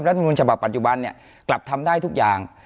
รัฐมนุนฉบับปัจจุบันเนี่ยกลับทำได้ทุกอย่าง